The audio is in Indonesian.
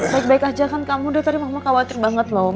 baik baik aja kan kamu udah tadi mama khawatir banget loh